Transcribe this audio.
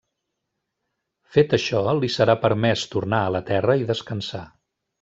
Fet això li serà permès tornar a la Terra i descansar.